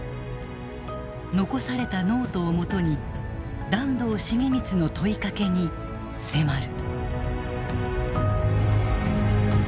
残されたノートをもとに團藤重光の問いかけに迫る。